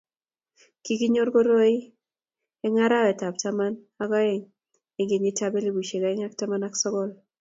Kikinyor koroi engarawetab taman ak oeng eng kenyitab elipusiek oeng ak taman ak sogol